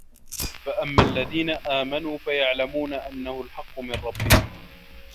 ۚ فَأَمَّا الَّذِينَ آمَنُوا فَيَعْلَمُونَ أَنَّهُ الْحَقُّ مِنْ رَبِّهِمْ